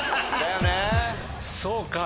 そうか。